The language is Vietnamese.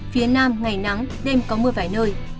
phía nam ngày nắng đêm có mưa vài nơi